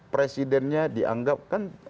presidennya dianggap kan